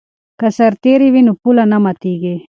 که سرتیری وي نو پوله نه ماتیږي.